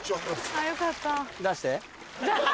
あぁよかった。